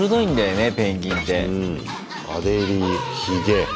アデリーヒゲ。